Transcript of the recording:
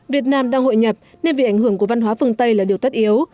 việt nam đang hội nhập nên vì ảnh hưởng của văn hóa phương tây là điều tất yếu